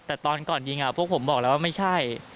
แต่ตอนก่อนยิงพวกผมบอกแล้วว่าไม่ใช่